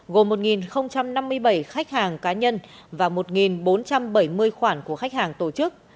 gồm một năm mươi bảy khách hàng cá nhân và một bốn trăm bảy mươi khoản của khách hàng tổ chức